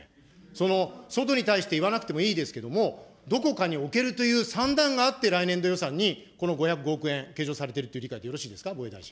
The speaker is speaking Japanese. その、外に対して言わなくてもいいですけれども、どこかに置けるという算段があって、来年度予算にこの５０５億円、計上されているという理解でよろしいですか。